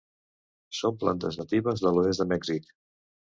Són plantes natives de l'oest de Mèxic.